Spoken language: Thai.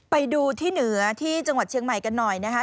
ไปดูที่เหนือที่จังหวัดเชียงใหม่กันหน่อยนะคะ